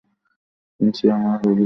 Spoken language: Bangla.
ইনসমনিয়ার রোগী তিনি।